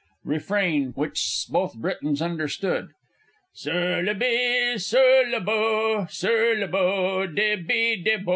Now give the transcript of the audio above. Refrain (which both Britons understood). "Sur le bi sur le bô; sur le bô, de bi, de bô.